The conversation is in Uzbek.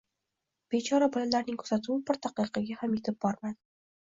Bechora bolalarning kuzatuvi bir daqiqaga ham yetib bormadi